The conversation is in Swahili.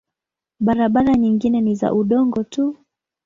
Barabara nyingine ni za udongo tu.